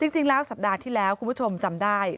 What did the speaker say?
จริงแล้วสัปดาห์ที่แล้วคุณผู้ชมจำได้